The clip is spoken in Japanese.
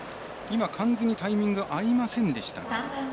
今、完全にタイミングが合いませんでしたか。